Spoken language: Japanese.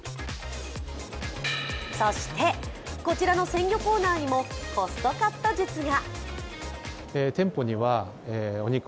そしてこちらの鮮魚コーナーにもコストカット術が。